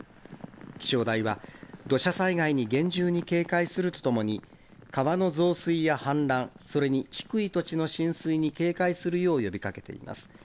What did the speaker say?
気象台は、土砂災害に厳重に警戒するとともに、川の増水や氾濫、それに低い土地の浸水に警戒するよう呼びかけています。